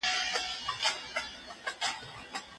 دلته یوه پوښتنه ذهن ته راځي: په داسي حال کي،